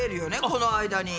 この間に。